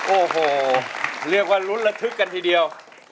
โอ้โหเรียกว่าลุ้นระทึกกันทีเดียว